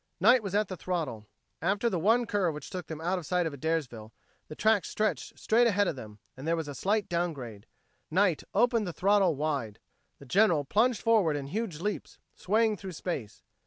Knight was at the throttle. After the one curve which took them out of sight of Adairsville, the tracks stretched straight ahead of them, and there was a slight down grade. Knight opened the throttle wide. The General plunged forward in huge leaps, swaying through space.